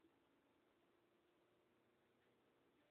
Diego Armando Maradona aliepuka umaskini wakati akiwa kijana